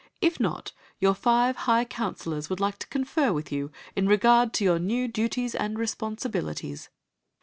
"If not your five high counselors would like to confer with you in regard to your new duties and responsibilities."